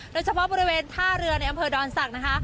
โดยเฉพาะบริเวณท่าเรือในอำเภอดอนศักดิ์นะคะ